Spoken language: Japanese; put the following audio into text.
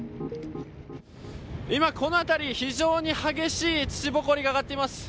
今、この辺り非常に激しい土ぼこりが上がっています。